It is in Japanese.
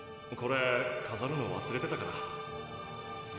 これかざるの忘れてたから。